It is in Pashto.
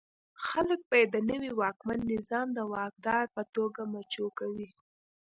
خلک به یې د نوي واکمن نظام د واکدار په توګه مچو کوي.